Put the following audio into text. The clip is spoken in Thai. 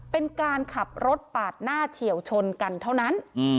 เป็นการขับรถปาดหน้าเฉียวชนกันเท่านั้น